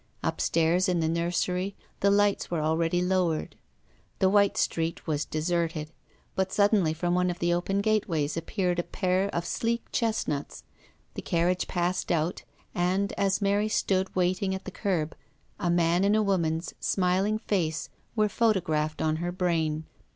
Upstairs in the nursery the lights were already lowered. The white street was deserted. But suddenly from one of the open gateways appeared a pair of sleek chestnuts. The carriage passed out, and as Mary stood waiting at the curb, a man and a woman's smiling faces were photographed on her brain.